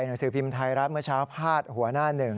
หนังสือพิมพ์ไทยรัฐเมื่อเช้าพาดหัวหน้าหนึ่ง